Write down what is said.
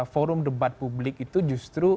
forum debat publik itu justru